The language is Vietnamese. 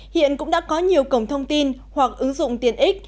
hiện cũng đã có nhiều cổng thông tin hoặc ứng dụng tiện ích